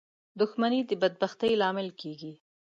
• دښمني د بدبختۍ لامل کېږي.